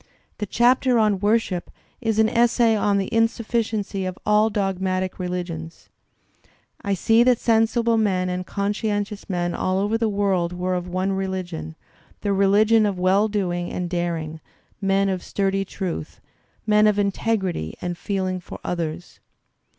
The chapter on "Worship" is an essay on the insufficiency ^ of all dogmatic religions. "I see that sensible men and conscientious men all over the worid were of one religion — the religion of well doing and daring, men of sturdy truth, men of integrity and feeling for others.